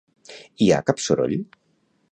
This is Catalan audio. Hi ha cap soroll?